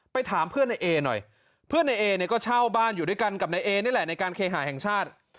ถามเพื่อนในเอหน่อยเพื่อนในเอเนี่ยก็เช่าบ้านอยู่ด้วยกันกับนายเอนี่แหละในการเคหาแห่งชาติ